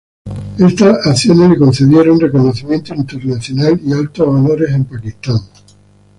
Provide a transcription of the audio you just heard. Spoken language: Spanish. Estas acciones le concedieron reconocimiento internacional y altos honores en Pakistán.